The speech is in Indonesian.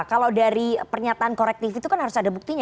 kalau dari pernyataan korektif itu kan harus ada buktinya